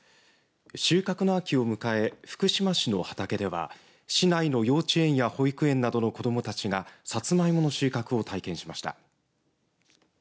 収穫の秋を迎え福島市の畑では市内の幼稚園や保育園などの子どもたちがさつまいもの収穫を体験しました。